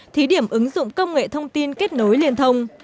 thí điểm ứng dụng công nghệ thông tin kết nối liên thông